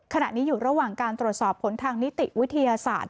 ขณะนี้อยู่ระหว่างการตรวจสอบผลทางนิติวิทยาศาสตร์